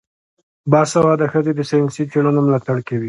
باسواده ښځې د ساینسي څیړنو ملاتړ کوي.